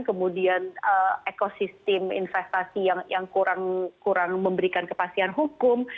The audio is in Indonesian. kemudian ekosistem investasi yang kurang memberikan kepastian hukum